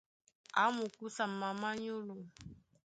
A mukúsa mamá nyólo.